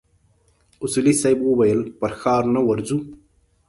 اصولي صیب وويل پر ښار نه ورځو.